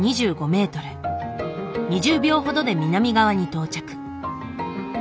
２０秒ほどで南側に到着。